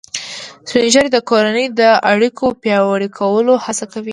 سپین ږیری د کورنۍ د اړیکو پیاوړي کولو هڅه کوي